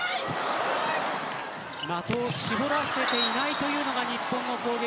的を絞らせないというのが日本の攻撃。